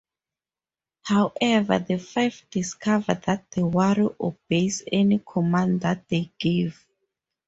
However, the five discover that the warrior obeys any command that they give.